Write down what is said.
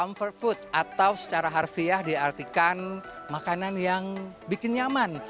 comfort food atau secara harfiah diartikan makanan yang bikin nyaman